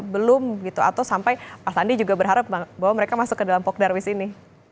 belum gitu atau sampai pak sandi juga berharap bahwa mereka masuk ke dalam pok darwis ini